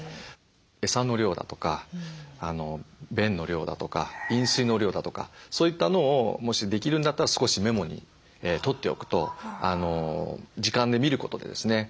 エサの量だとか便の量だとか飲水の量だとかそういったのをもしできるんだったら少しメモにとっておくと時間で見ることでですね